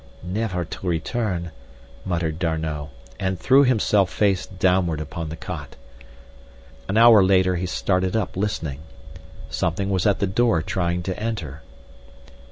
"'Never to return,'" muttered D'Arnot, and threw himself face downward upon the cot. An hour later he started up listening. Something was at the door trying to enter.